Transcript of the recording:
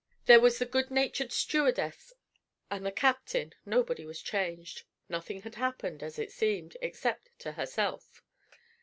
There was the good natured stewardess and the captain, nobody was changed, nothing had happened, as it seemed, except to herself.